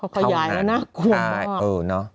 เท่านั้น